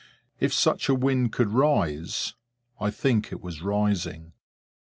If such a wind could rise, I think it was rising.